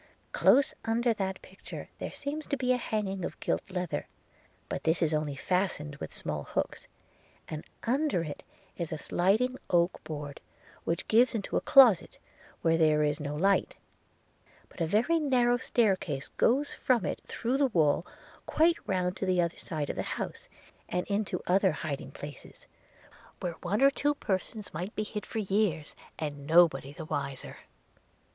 Close under that picture there seems to be a hanging of gilt leather: but this is only fastened with small hooks: and under it is a sliding oak board, which gives into a closet where there is no light – but a very narrow stair case goes from it through the wall, quite round to the other side of the house, and into other hiding places, where one or two persons might be hid for years, and nobody the wiser.